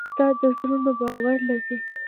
استاد د زړونو باور لري.